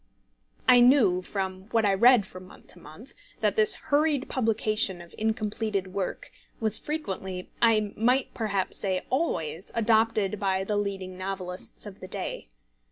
I knew, from what I read from month to month, that this hurried publication of incompleted work was frequently, I might perhaps say always, adopted by the leading novelists of the day.